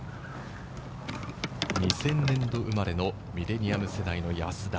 ２０００年度生まれのミレニアム世代の安田。